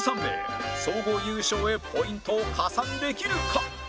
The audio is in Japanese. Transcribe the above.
総合優勝へポイントを加算できるか？